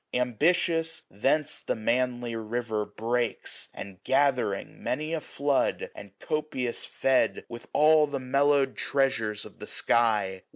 Ambitious, thence the manly river breaks ; And gathering many a flood, and copious fed With all the mellowed treasures of the sky.